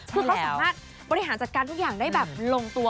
คือเขาสามารถบริหารจัดการทุกอย่างได้แบบลงตัว